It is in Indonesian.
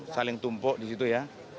saling tumpuk di situ ya